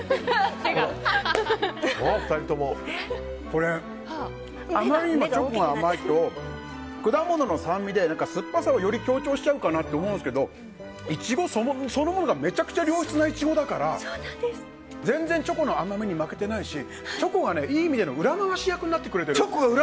これ、チョコが甘いと果物の酸味で酸っぱさをより強調しちゃうかなと思うんですけどイチゴそのものがめちゃくちゃ良質なイチゴだから全然チョコの甘みに負けてないしチョコがいい意味での裏回し役になってくれてる。